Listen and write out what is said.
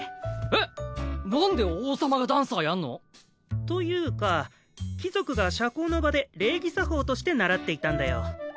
えっなんで王様がダンサーやんの？というか貴族が社交の場で礼儀作法として習っていたんだよ。